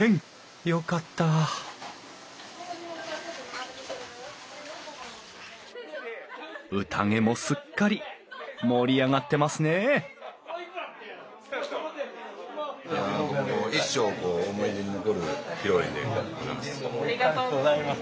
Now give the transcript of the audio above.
よかったうたげもすっかり盛り上がってますねえありがとうございます。